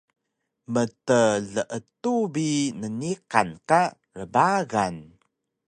mtleetu bi nniqan ka rbagan